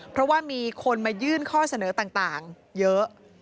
เพราะว่ามีคนมายื่นข้อเสนอต่างเยอะ